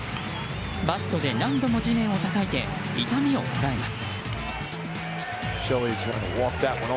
バットで何度も地面をたたいて痛みをこらえます。